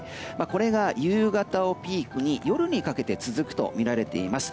これが夕方をピークに夜にかけて続くとみられています。